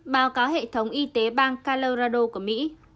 báo cáo hệ thống y tế bang calirado của mỹ